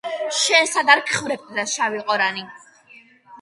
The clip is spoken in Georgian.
შენ სად არ გხვრეპდა შავი ყორანი